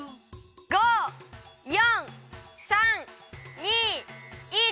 ５４３２１。